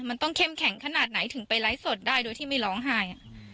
มันต้องเข้มแข็งขนาดไหนถึงไปไลฟ์สดได้โดยที่ไม่ร้องไห้